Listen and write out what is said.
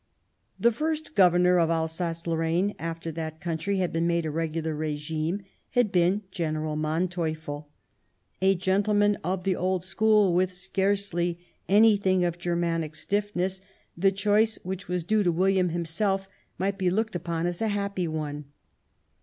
The first Governor of Alsace Lorraine after that country had been given a regular regime had been General Manteuffel. A gentleman of the and Hohen old school, with scarcely anything of loheln Al Germanic stiffness, the choice, which was due to William himself, might be looked upon as a happy one.